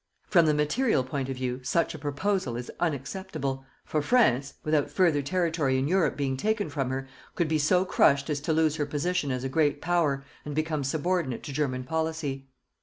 From the material point of view such a proposal is unacceptable, for France, without further territory in Europe being taken from her, could be so crushed as to lose her position as a Great Power, and become subordinate to German policy.